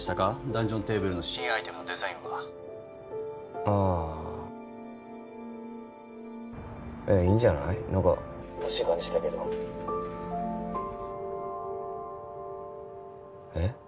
ダンジョンテーブルの新アイテムのデザインはああいいんじゃない何かほしい感じしたけどえっ？